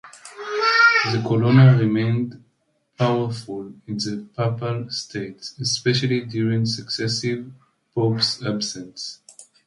The Colonna remained powerful in the papal states, especially during successive popes' absence.